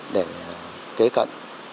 để kế cận